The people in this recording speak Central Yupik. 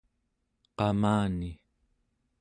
qamani